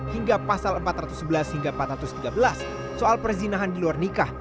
hingga pasal empat ratus sebelas hingga empat ratus tiga belas soal perzinahan di luar nikah